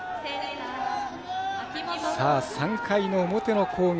３回の表の攻撃。